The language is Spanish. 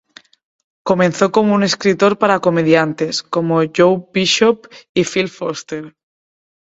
Comenzó como un escritor para comediantes, como Joey Bishop y Phil Foster.